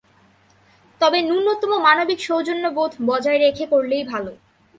তবে ন্যূনতম মানবিক সৌজন্যবোধ বজায় রেখে করলেই ভালো।